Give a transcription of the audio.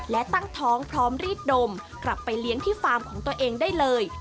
และตั้งท้องพร้อมรีดดมกลับไปเลี้ยงที่ฟาร์มของตัวเองได้เลย